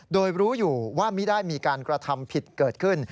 โดยรู้อยู่ว่าไม่ได้มีการกระทำผิดเกิดขึ้น